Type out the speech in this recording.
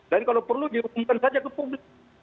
dan kalau perlu dirumahkan saja ke publik